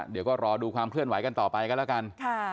เดี๋ยวก็รอดูความเคลื่อนไหวกันต่อไปกันแล้วกัน